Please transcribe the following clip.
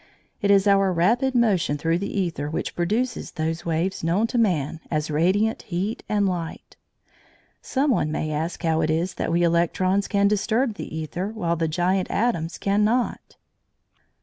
It is our rapid motion through the æther which produces those waves known to man as radiant heat and light. Some one may ask how it is that we electrons can disturb the æther while the giant atoms cannot.